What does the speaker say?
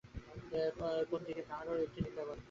কোনদিন কাহারও একটি নিন্দাবাদ তিনি করেন নাই।